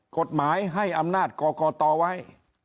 กฎหมายให้อำนาจก่อก่อต่อไว้